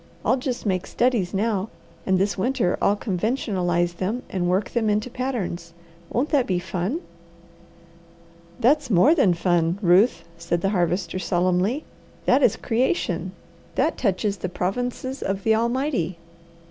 I'll just make studies now, and this winter I'll conventionalize them and work them into patterns. Won't that be fun?" "That's more than fun, Ruth," said the Harvester solemnly. "That is creation. That touches the provinces of the Almighty.